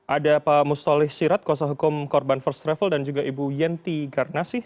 ada pak musholeh shirat kuasa hukum korban first travel dan juga ibu yenty garnasih